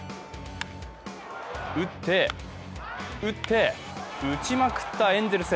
打って、打って、打ちまくったエンゼルス。